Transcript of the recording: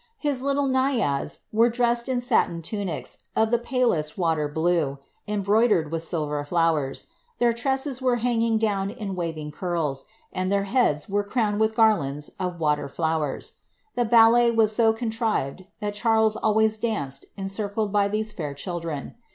His little naiads were dressed in satin tunics of the palest water blue, embroidered with silver flowers; their tresses were hanging down in waving curls, and their heads were crowned with gar lands of water flowers. The ballet was so contrived, that Charles always danced encircled by these fair children.